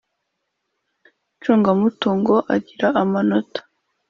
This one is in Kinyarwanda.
Icungamutungo agira amanota